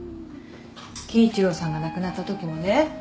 貴一郎さんが亡くなったときもね